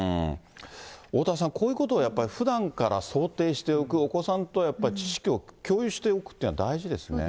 おおたわさん、こういうことをふだんから想定しておく、お子さんとやっぱり知識を共有しておくというのは大事ですね。